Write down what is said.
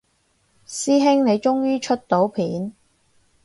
師兄你終於出到片